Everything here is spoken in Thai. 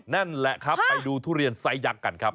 นั่นแหละครับไปดูทุเรียนไซสยักษ์กันครับ